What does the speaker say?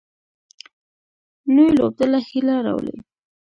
نوې لوبډله هیله راولي